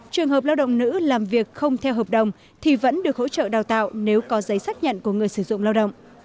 trường hợp lao động nữ làm việc không theo hợp đồng thì vẫn được hỗ trợ đào tạo nếu có giấy xác nhận của người sử dụng lao động